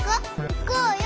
行こうよ。